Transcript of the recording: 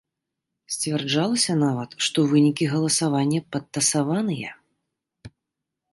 Сцвярджалася нават, што вынікі галасавання падтасаваныя.